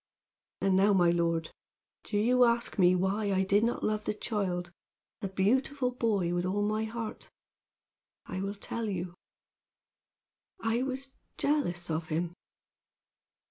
"And now, my lord, do you ask me why I did not love the child the beautiful boy with all my heart? I will tell you. "I was jealous of him!